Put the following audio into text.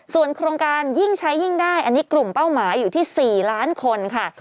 ส่วนโครงการยิ่งใช้ยิ่งได้อันนี้กลุ่มเป้าหมายอยู่ที่๔ล้านคนค่ะ